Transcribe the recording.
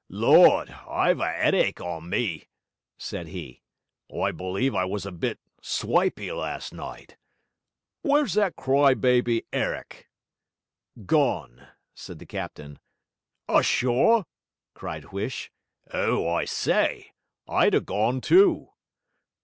'Lord, I've an 'eadache on me!' said he. 'I believe I was a bit swipey last night. W'ere's that cry byby 'Errick?' 'Gone,' said the captain. 'Ashore?' cried Huish. 'Oh, I say! I'd 'a gone too.'